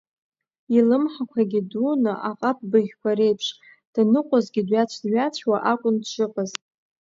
Илымҳақәагьы дуны аҟаб быӷьқәа реиԥш, данныҟәозгьы дҩацә-ҩацәуа акәын дшыҟаз.